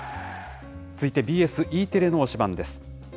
続いてＢＳ、Ｅテレの推しバンです。